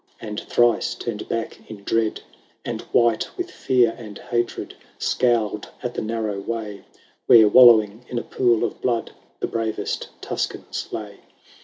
And thrice turned back in dread : And, white with fear and hatred, Scowled at the narrow way Where, wallowing in a pool of blood. The bravest Tuscans lay.